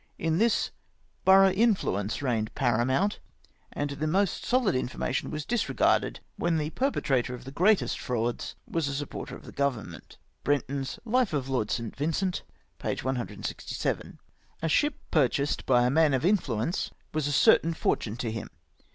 In this — borough influence reigned paramount, and the most solid information was disregarded when the perpe trator of the greatest frauds was a supporter of Grovernment." — (Brenton's i^/e 0/ Lord St. Viiicenf, p. 167.) " A ship purchased by a man of influence was a certain fortune to him.